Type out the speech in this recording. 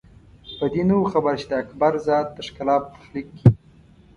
په دې نه وو خبر چې د اکبر ذات د ښکلا په تخلیق کې.